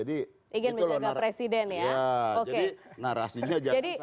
ingin menjaga presiden ya